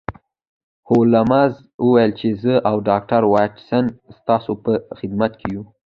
هولمز وویل چې زه او ډاکټر واټسن ستاسو په خدمت کې یو